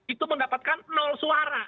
itu mendapatkan nol suara